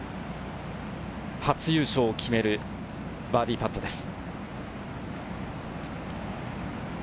初優勝を決めるバーディーパットです。